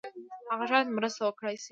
هغه شاید مرسته وکړای شي.